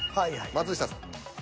松下さん。